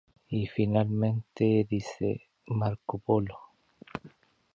Included are representations of Kublai Khan and Marco Polo.